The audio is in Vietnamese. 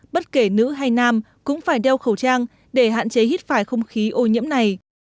bất kể nữ hay nam cũng phải đeo khẩu trang để hạn chế hít phải không khí ô nhiễm này